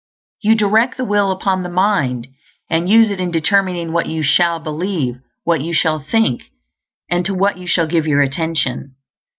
_You direct the will upon the mind, and use it in determining what you shall believe, what you shall think, and to what you shall give your attention.